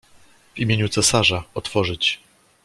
"W imieniu cesarza otworzyć!"